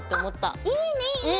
あっいいねいいね。